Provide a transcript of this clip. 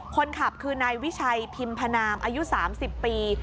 คนขับคือนายวิชัยพิมพนามอายุ๓๐ปี